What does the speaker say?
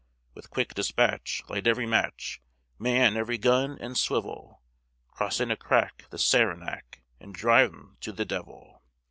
With quick despatch light every match, Man every gun and swivel, Cross in a crack the Saranac, And drive 'em to the devil!"